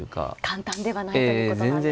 簡単ではないということなんですね。